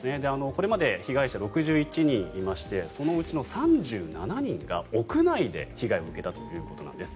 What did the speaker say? これまで被害者が６１人いましてそのうちの３７人が屋内で被害を受けたということです。